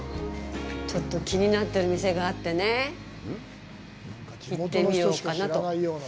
ちょっと気になってる店があってね行ってみようかなと。